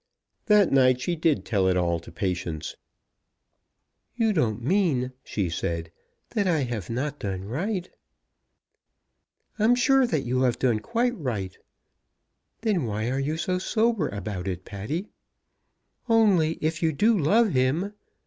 That night she did tell it all to Patience. "You don't mean," she said, "that I have not done right?" "I am sure you have done quite right." "Then why are you so sober about it, Patty?" "Only if you do love him